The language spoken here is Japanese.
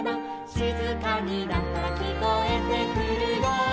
「しずかになったらきこえてくるよ」